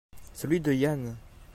Celui de Yann.